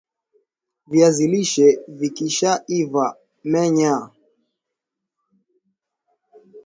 viazi lishe vikisha iva menya